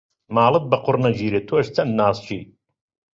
ماڵت بە قوڕ نەگیرێ تۆش چەند ناسکی.